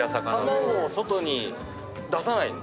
卵を外に出さないんだ。